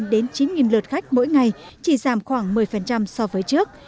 đến chín lượt khách mỗi ngày chỉ giảm khoảng một mươi so với trước